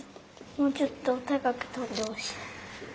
もうちょっとたかくとんでほしい。